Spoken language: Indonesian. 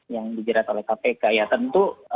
yang dijerat oleh kpk ya tentu